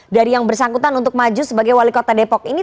dari yang bersangkutan untuk maju sebagai wali kota depok ini